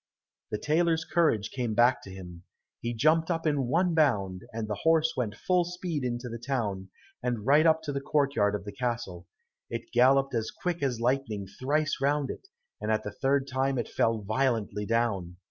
The tailor's courage came back to him; he jumped up in one bound, and the horse went full speed into the town, and right up to the court yard of the castle. It galloped as quick as lightning thrice round it, and at the third time it fell violently down.